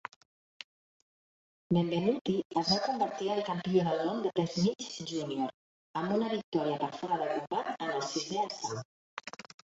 Benvenuti es va convertir en campió del món de pes mig junior amb una victòria per fora de combat en el sisè assalt.